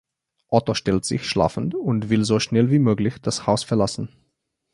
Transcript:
Otto stellt sich schlafend und will so schnell wie möglich das Haus verlassen.